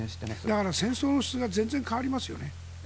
だから、戦争の質が全然変わりますよね。